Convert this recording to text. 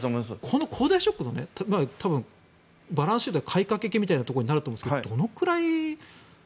この恒大ショックのバランスシートの買掛みたいなところになると思うんですけどどのくらい。